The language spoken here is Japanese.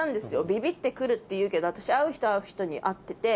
ビビッて来るっていうけど私会う人会う人にあってて。